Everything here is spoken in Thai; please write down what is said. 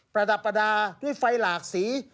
ระดับประดาษด้วยไฟหลากสี